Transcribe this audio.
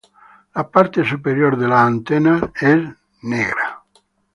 La parte superior de las antenas es negra.